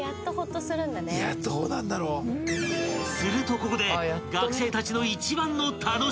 ［するとここで］